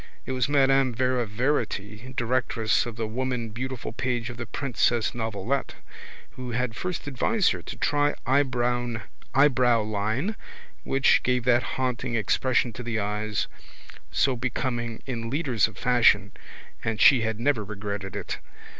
It was Madame Vera Verity, directress of the Woman Beautiful page of the Princess Novelette, who had first advised her to try eyebrowleine which gave that haunting expression to the eyes, so becoming in leaders of fashion, and she had never regretted it.